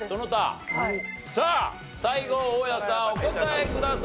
さあ最後大家さんお答えください。